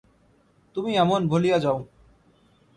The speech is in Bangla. তুমি এমন ভুলিয়া যাও!